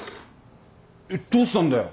どうしたんだよ？